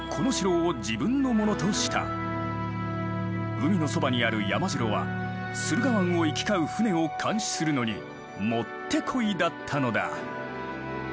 海のそばにある山城は駿河湾を行き交う船を監視するのにもってこいだったのだ。